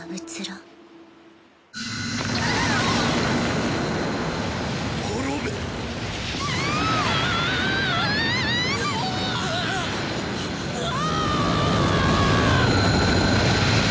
うわ！